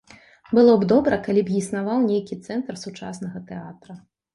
Было б добра, калі б існаваў нейкі цэнтр сучаснага тэатра.